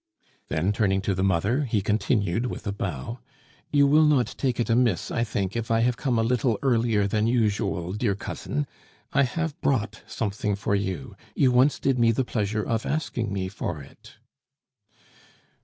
Then, turning to the mother, he continued with a bow: "You will not take it amiss, I think, if I have come a little earlier than usual, dear cousin; I have brought something for you; you once did me the pleasure of asking me for it."